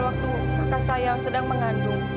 waktu kakak saya sedang mengandung